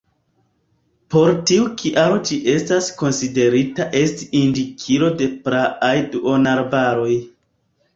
Por tiu kialo ĝi estas konsiderita esti indikilo de praaj duonarbaroj.